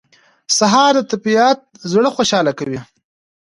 سهار د طبیعت زړه خوشاله کوي.